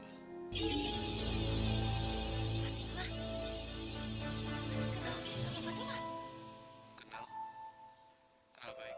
mas kenal sih sama fatima